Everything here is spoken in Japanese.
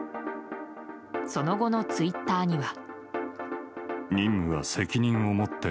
その後のツイッターには。